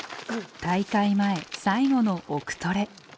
大会前最後の「奥トレ」。